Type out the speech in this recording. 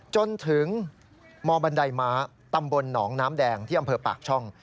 จนถึงมบันไดม้าตำบลหนองน้ำแดงที่อำเภอปากช่อง